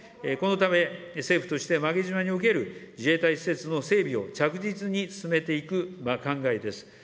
このため、政府として馬毛島における自衛隊施設の整備を着実に進めていく考えです。